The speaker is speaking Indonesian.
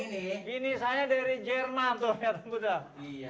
ini kata gini gini saya dari jerman tahu nggak